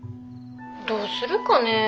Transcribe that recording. ☎どうするかね。